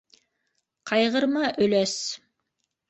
Ҡайғырма, өләс...